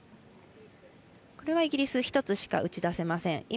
これはイギリスは１つしか打ち出せません。